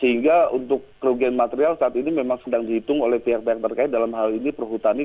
sehingga untuk kerugian material saat ini memang sedang dihitung oleh pihak pihak terkait dalam hal ini perhutani